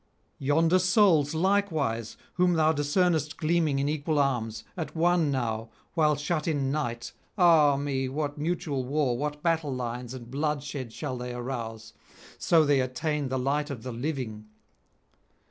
Yonder souls likewise, whom thou discernest gleaming in equal arms, at one now, while shut in Night, ah me! what mutual war, what battle lines and bloodshed shall they arouse, so they attain the light of the living!